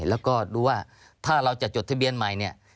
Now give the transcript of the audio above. แล้วก็ดูว่าถ้าเราจะจดทะเบียนใหม่เนี่ย